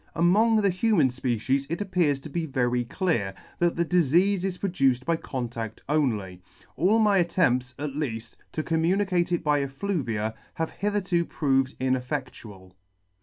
Among the human fpecies it appears to be very clear, that the difeafe is produced by contadt only. All my attempts, at leaft, to com municate it by effluvia have hitherto proved ineffectual.